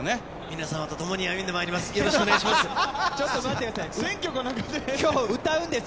皆さんとともに歩んでまいります。